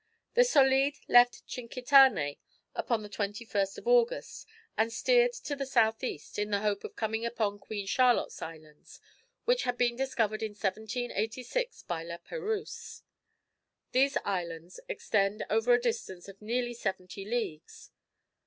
The Solide left Tchinkitané upon the 21st of August, and steered to the south east, in the hope of coming upon Queen Charlotte's Islands, which had been discovered in 1786 by La Perouse. These islands extend over a distance of nearly seventy leagues.